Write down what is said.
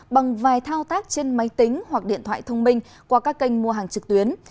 bằng vài thao tác trên máy tính hoặc điện thoại thông minh qua các kênh mua hàng trực tuyến